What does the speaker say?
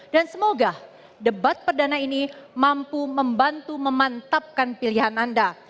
dan semoga debat perdana ini mampu membantu memantapkan pilihan anda